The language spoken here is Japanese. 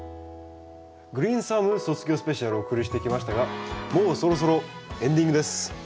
「グリーンサム卒業スペシャル」お送りしてきましたがもうそろそろエンディングです。